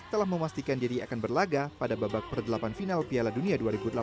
telah memastikan diri akan berlaga pada babak perdelapan final piala dunia dua ribu delapan belas